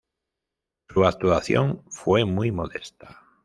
Su actuación fue muy modesta.